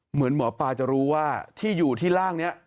เหมือนหมอปลาจะรู้ว่าที่อยู่ที่ร่างนี้